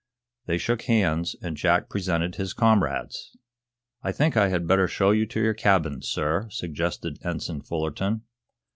They shook hands and Jack presented his comrades. "I think I had better show you to your cabin, sir," suggested Ensign Fullerton.